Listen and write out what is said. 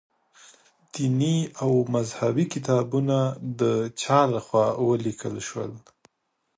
دیني او مذهبي کتابونه د چا له خوا ولیکل شول.